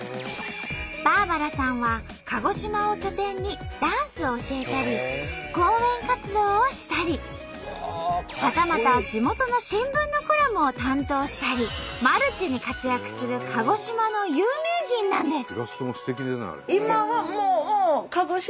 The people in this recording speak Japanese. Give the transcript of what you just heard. バーバラさんは鹿児島を拠点にダンスを教えたり講演活動をしたりはたまた地元の新聞のコラムを担当したりマルチに活躍する鹿児島の有名人なんです。